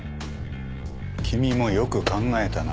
君もよく考えたな。